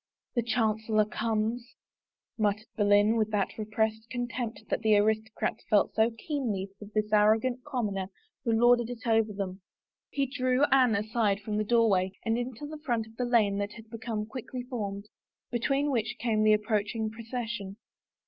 "The chancellor comes," muttered Boleyn, with that repressed contempt that the aristocrats felt so keenly for 30 A ROSE AND SOME WORDS tiiis arrogant commoner who lorded it over them. He drew Anne aside from the doorway and into the front of the lane that had been quickly formed, between which came the approaching procession.